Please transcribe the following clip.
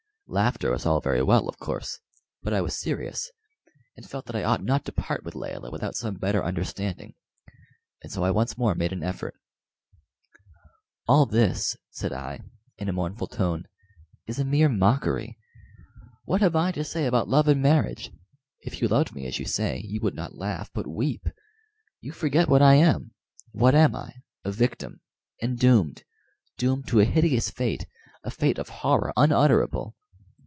Laughter was all very well, of course; but I was serious and felt that I ought not to part with Layelah without some better understanding, and so I once more made an effort. "All this," said I, in a mournful tone, "is a mere mockery. What have I to say about love and marriage? If you loved me as you say, you would not laugh, but weep. You forget what I am. What am I? A victim, and doomed doomed to a hideous fate a fate of horror unutterable.